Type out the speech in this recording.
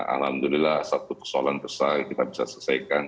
alhamdulillah satu persoalan besar kita bisa selesaikan